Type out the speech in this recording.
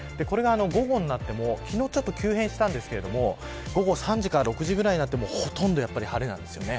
午後になっても、昨日ちょっと急変したんですけれども午後３時から６時くらいになっても、ほとんど晴れです。